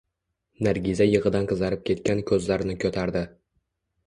Nargiza yig`idan qizarib ketgan ko`zlarini ko`tardi